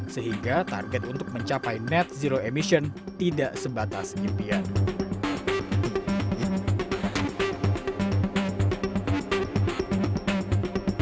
sehingga target untuk mencapai net zero emission tidak sebatas impian